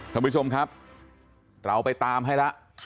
คุณผู้ชมครับเราไปตามให้ล่ะ